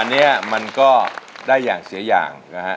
อันนี้มันก็ได้อย่างเสียอย่างนะฮะ